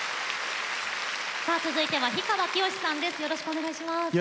続いては氷川きよしさんです。